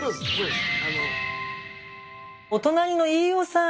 お隣の飯尾さん。